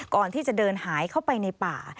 ก่อนที่จะเดินหายเข้าไปในป่า